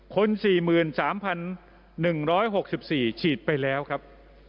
คน๔๓๑๖๔ฉีดไปแล้วครับ